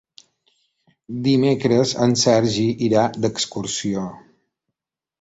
Dimecres en Sergi irà d'excursió.